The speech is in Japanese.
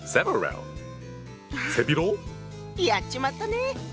やっちまったね！